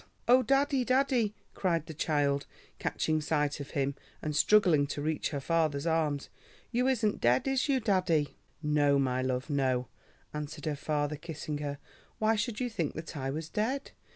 "Oh! daddie, daddie," cried the child, catching sight of him and struggling to reach her father's arms, "you isn't dead, is you, daddie?" "No, my love, no," answered her father, kissing her. "Why should you think that I was dead?